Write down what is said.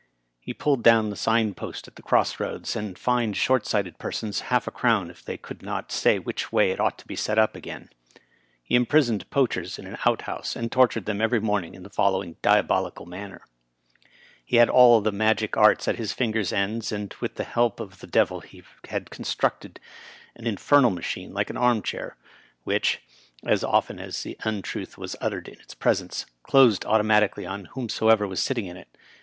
He pulled down the sign post at the cross roads, and fined short sighted persons half a crown if they could not say which way it ought to be set up again. He imprisoned poachers in an outhouse, and tortured them every morning in the following diabolical man ner: He had all the magical arts at his fingers' ends, and with the help of the d —— 1 he had constructed an in fernal machine like an arm chair, which, as often as an untruth was uttered in its presence, closed automatically on whomsoever was sitting in it.